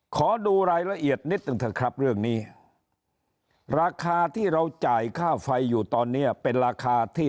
ขอดูรายละเอียดนิดหนึ่งเถอะครับเรื่องนี้ราคาที่เราจ่ายค่าไฟอยู่ตอนนี้เป็นราคาที่